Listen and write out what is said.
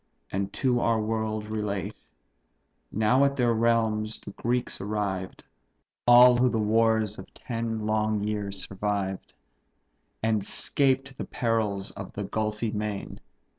and to our world relate. Now at their native realms the Greeks arrived; All who the wars of ten long years survived; And 'scaped the perils of the gulfy main.